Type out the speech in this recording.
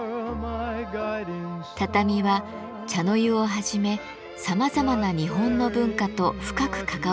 畳は茶の湯をはじめさまざまな日本の文化と深く関わってきました。